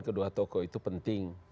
kedua toko itu penting